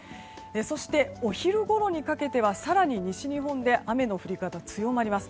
そして、お昼ごろにかけては更に西日本で雨の降り方、強まります。